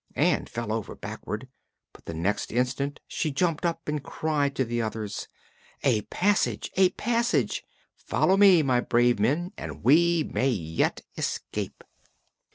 Ann fell over backward, but the next instant she jumped up and cried to the others: "A passage! A passage! Follow me, my brave men, and we may yet escape."